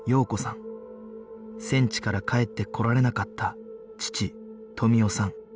戦地から帰ってこられなかった父富雄さん